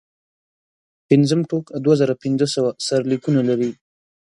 پنځم ټوک دوه زره پنځه سوه سرلیکونه لري.